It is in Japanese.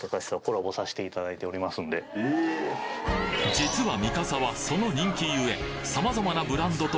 実はミカサはその人気ゆえ